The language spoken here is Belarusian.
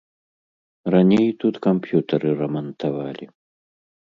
Раней тут камп'ютары рамантавалі.